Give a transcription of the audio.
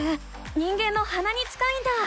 人間のはなに近いんだ！